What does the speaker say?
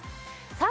さあ